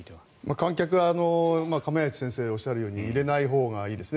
観客は釜萢先生がおっしゃるように入れないほうがいいですね。